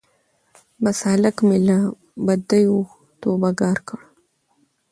بس هلک مي له بدیو توبه ګار کړ